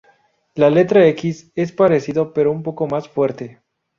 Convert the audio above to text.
La letra x es parecido, pero un poco más fuerte.